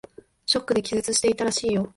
ショックで気絶していたらしいよ。